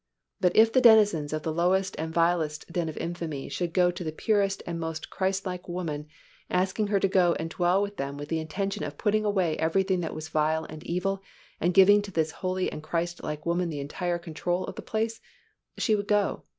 But if the denizens of the lowest and vilest den of infamy should go to the purest and most Christlike woman asking her to go and dwell with them with the intention of putting away everything that was vile and evil and giving to this holy and Christlike woman the entire control of the place, she would go.